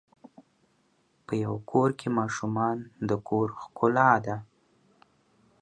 په یوه کور کې ماشومان د کور ښکلا ده.